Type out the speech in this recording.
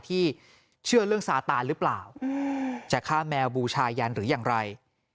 ที่เชื่อเรื่องซาตานหรือเปล่าจะฆ่าแมวบูชายันหรืออย่างไร